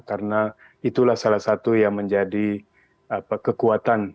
karena itulah salah satu yang menjadi kekuatan